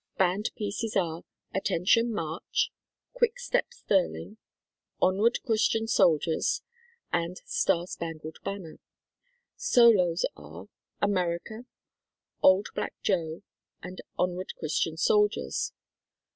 Band pieces are : "Attention, March !" "Quick Step Sterling," "Onward, Christian Soldiers," and "Star spangled Banner." Solos are : "America," "Old Black Joe," and "Onward, Christian Soldiers."